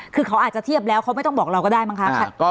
คือเขาอาจจะเทียบแล้วเขาไม่ต้องบอกเราก็ได้มั้งคะ